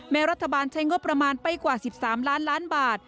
รัฐบาลใช้งบประมาณไปกว่า๑๓ล้านล้านบาท